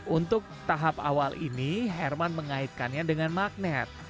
untuk tahap awal ini herman mengaitkannya dengan magnet